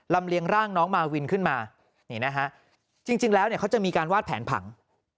ลำเลี้ยงร่างน้องมาวินขึ้นมาจริงแล้วเขาจะมีการวาดแผนผัง